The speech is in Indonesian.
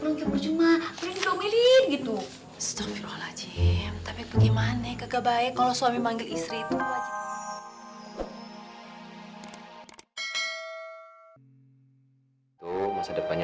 gitu tapi bagaimana